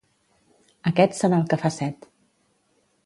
Aquest serà el que fa set.